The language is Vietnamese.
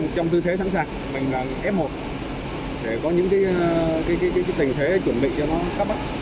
trong tư thế sẵn sàng mình là f một để có những tình thế chuẩn bị cho nó khắp